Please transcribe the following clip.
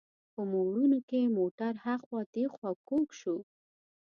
په موړونو کې موټر هاخوا دیخوا کوږ شو.